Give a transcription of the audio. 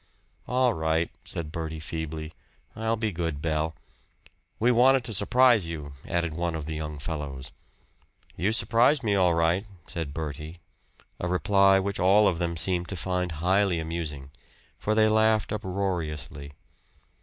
"All right," said Bertie feebly. "I'll be good, Belle." "We wanted to surprise you," added one of the young fellows. "You surprised me all right," said Bertie a reply which all of them seemed to find highly amusing, for they laughed uproariously.